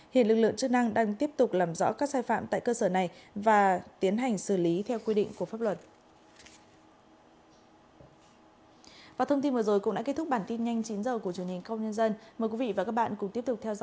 hiện lực lượng chức năng đang tiếp tục làm rõ các sai phạm tại cơ sở này và tiến hành xử lý theo quy định của pháp luật